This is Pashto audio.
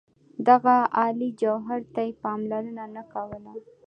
دغه عالي جوهر ته یې پاملرنه نه کوله.